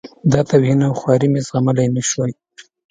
دا توهین او خواري مې زغملای نه شوای.